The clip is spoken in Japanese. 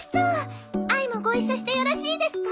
あいもご一緒してよろしいですか？